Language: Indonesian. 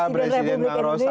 presiden rang rosadi